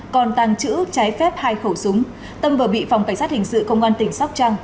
còn tàng trữ trái phép hai khẩu súng tâm vừa bị phòng cảnh sát hình sự công an tỉnh sóc trăng